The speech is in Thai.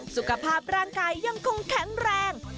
สุขภาพร่างกายยังคงแข็งแรง